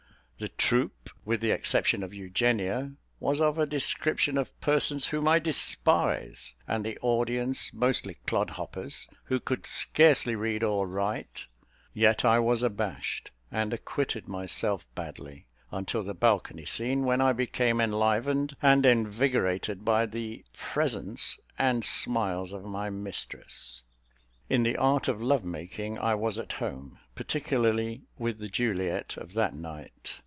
The troupe, with the exception of Eugenia, was of a description of persons whom I despise, and the audience mostly clodhoppers, who could scarcely read or write; yet I was abashed, and acquitted myself badly, until the balcony scene, when I became enlivened and invigorated by the presence and smiles of my mistress. In the art of love making I was at home, particularly with the Juliet of that night.